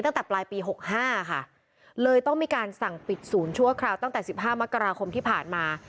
ตั้งแต่ปลายปี๖๕ค่ะเลยต้องมีการสั่งปิดศูนย์ชั่วคราวตั้งแต่๑๕มกราคมที่ผ่านมา